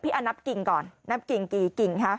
พี่อันนับกิ่งก่อนนับกิ่งกี่กิ่งค่ะ